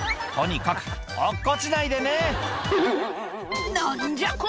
とにかく落っこちないでね何じゃ？